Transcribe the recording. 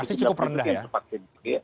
itu yang divaksin